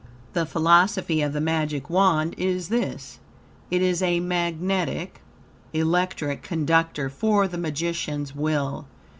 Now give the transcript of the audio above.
The philosophy of the Magic Wand is this. It is a magnetic, electric conductor for the magician's will.